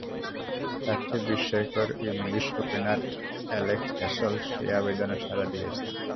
তার চেয়েও বিস্ময়কর, ইংলিশ ওপেনার অ্যালেক্স হেলস সেই আবেদনে সাড়া দিয়েছেন।